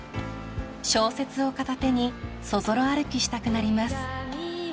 ［小説を片手にそぞろ歩きしたくなります］